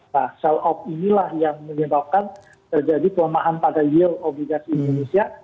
nah sell off inilah yang menyebabkan terjadi kelemahan pada yield obligasi indonesia